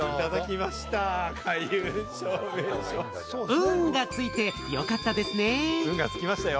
ウンがついてよかったですね。